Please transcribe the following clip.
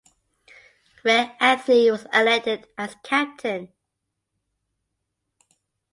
Reg Anthony was elected as captain.